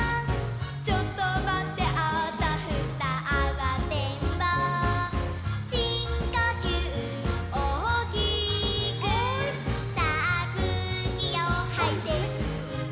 「ちょっとまってあたふたあわてんぼう」「しんこきゅうおおきくさあくうきをはいてすって」